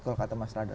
kalau kata mas radar